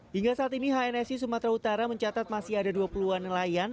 hingga saat ini hnsi sumatera utara mencatat masih ada dua puluh an nelayan